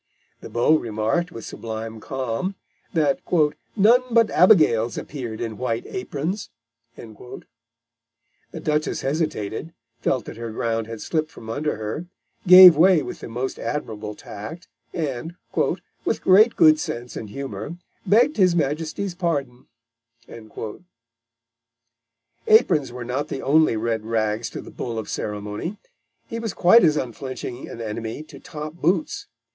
The Beau remarked, with sublime calm, that "none but Abigails appeared in white aprons." The Duchess hesitated, felt that her ground had slipped from under her, gave way with the most admirable tact, and "with great good sense and humour, begged his Majesty's pardon," Aprons were not the only red rags to the bull of ceremony. He was quite as unflinching an enemy to top boots.